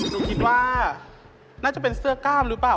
หนูคิดว่าน่าจะเป็นเสื้อกล้ามหรือเปล่า